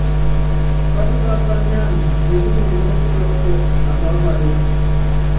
Pátipá pányáana melúŋe mɔ́ pilɔ́kɔ na paápayɔ́.